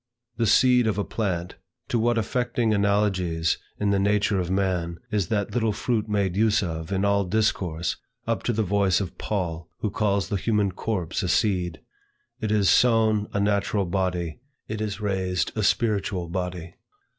The seed of a plant, to what affecting analogies in the nature of man, is that little fruit made use of, in all discourse, up to the voice of Paul, who calls the human corpse a seed, "It is sown a natural body; it is raised a spiritual body."